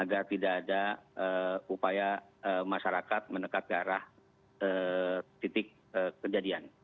agar tidak ada eee upaya eee masyarakat menekat ke arah eee titik eee kejadian